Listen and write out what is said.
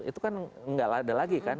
itu kan nggak ada lagi kan